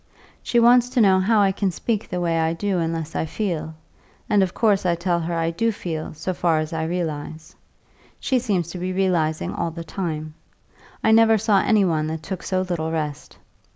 She wants to know how I can speak the way I do unless I feel; and of course I tell her I do feel, so far as I realise. She seems to be realising all the time; I never saw any one that took so little rest.